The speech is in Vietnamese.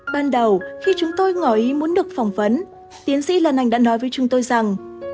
ban đầu khi chúng tôi ngỏ ý muốn được phỏng vấn tiến sĩ lan anh đã nói với chúng tôi rằng